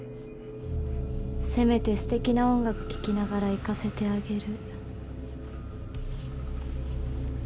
せめて素敵な音楽聴きながら逝かせてあげる。